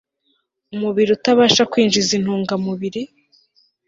umubiri utabasha kwinjiza intungamubiri